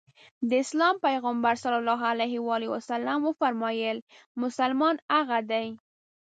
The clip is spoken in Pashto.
د اسلام پيغمبر ص وفرمايل مسلمان هغه دی.